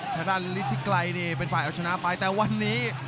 ประดับนิดนึงคนที่ไกลไปเป็นฝากให้ชนะไปแต่วันนี้